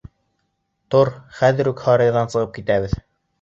— Тор, хәҙер үк һарайҙан сығып китәбеҙ!